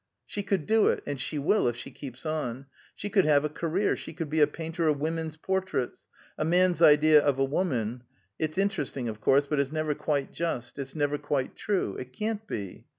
"She could do it, and she will, if she keeps on. She could have a career; she could be a painter of women's portraits. A man's idea of a woman, it's interesting, of course, but it's never quite just; it's never quite true; it can't be.